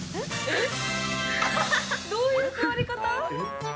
どういう座り方？